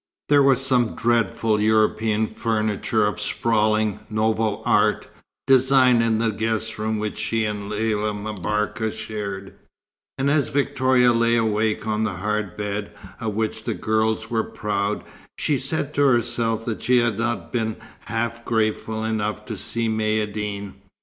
There was some dreadful European furniture of sprawling, "nouveau art" design in the guest room which she and Lella M'Barka shared; and as Victoria lay awake on the hard bed, of which the girls were proud, she said to herself that she had not been half grateful enough to Si Maïeddine.